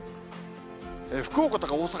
福岡とか大阪